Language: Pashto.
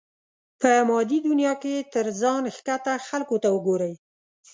په مادي دنيا کې تر ځان ښکته خلکو ته وګورئ.